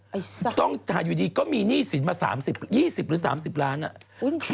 ไปไอ้ซักต้องหันอยู่ดีก็มีนีสินมาสามสิบยี่สิบหรือสามสิบล้านเนี่ย